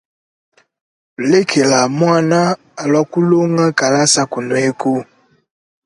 Lekela muana alue kulonga kalasa kunueku.